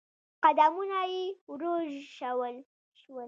قدمونه يې ورو شول.